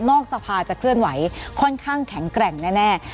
สภาจะเคลื่อนไหวค่อนข้างแข็งแกร่งแน่